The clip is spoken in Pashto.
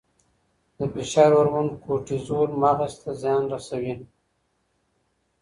د فشار هورمون کورټیزول مغز ته زیان رسوي.